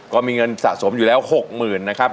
ก็มีเงินสะสมอยู่แล้ว๖๐๐๐นะครับ